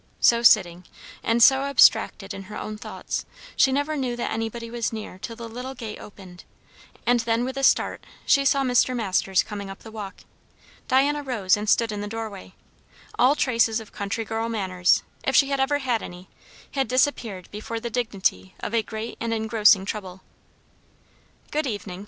So sitting, and so abstracted in her own thoughts, she never knew that anybody was near till the little gate opened, and then with a start she saw Mr. Masters coming up the walk. Diana rose and stood in the doorway; all traces of country girl manners, if she had ever had any, had disappeared before the dignity of a great and engrossing trouble. "Good evening!"